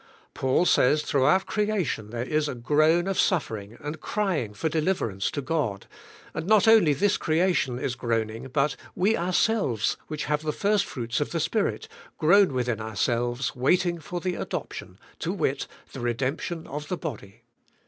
Paul says throughout creation there is a groan of suffering and crying for deliverance to God and not only this creation is groaning but "we ourselves which have the first fruits of the Spirit, groan within ourselves waiting for the adoption, to wit: theredemptionof the body."